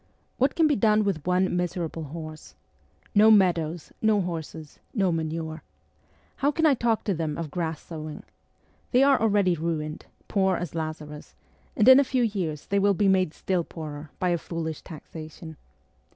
What can be done with one miserable horse ? No meadows, no horses, no manure ! How can I talk to them of grass sowing? They are already ruined poor as Lazarus and in a few years they will be made still poorer by a foolish taxation.